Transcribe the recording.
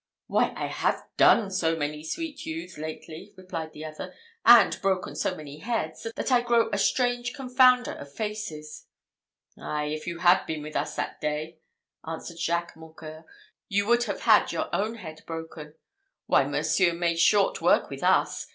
"Why, I have done so many sweet youths lately," replied the other, "and broken so many heads, that I grow a strange confounder of faces." "Ay! if you had been with us that day," answered Jacques Mocqueur, "you would have had your own head broken. Why, monseigneur made short work with us.